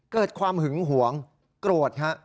เกิดความหึงหวงโกรธฮะ